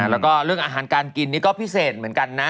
แล้วก็เรื่องอาหารการกินนี่ก็พิเศษเหมือนกันนะ